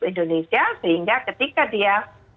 indonesia sehingga ketika dia